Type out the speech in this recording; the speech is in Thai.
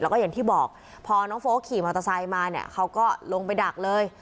แล้วก็อย่างที่บอกพอน้องโฟลกขี่มอเตอร์ไซค์มาเนี่ยเขาก็ลงไปดักเลย